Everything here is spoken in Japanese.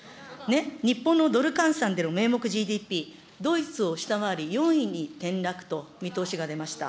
日本のドル換算での名目ＧＤＰ、ドイツを下回り、４位に転落と見通しが出ました。